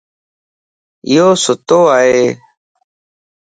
ايو سُتوائي